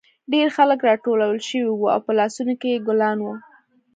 ډېر خلک راټول شوي وو او په لاسونو کې یې ګلان وو